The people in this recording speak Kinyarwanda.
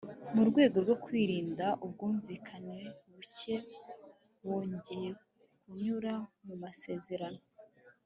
mu rwego rwo kwirinda ubwumvikane buke, bongeye kunyura mu masezerano